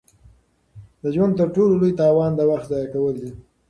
د ژوند تر ټولو لوی تاوان د وخت ضایع کول دي.